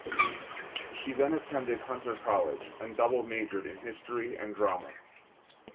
She then attended Hunter College and double majored in history and drama.